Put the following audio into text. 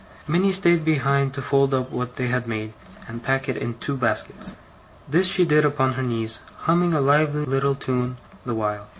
Minnie stayed behind to fold up what they had made, and pack it in two baskets. This she did upon her knees, humming a lively little tune the while.